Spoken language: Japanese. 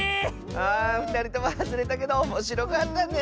あふたりともはずれたけどおもしろかったね！